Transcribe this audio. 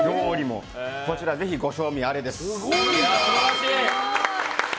こちら、ぜひご賞味あれです。